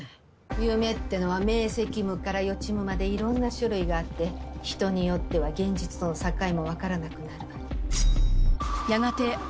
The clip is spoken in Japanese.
夢ってのは明晰夢から予知夢までいろんな種類があって人によっては現実との境も分からなくなる。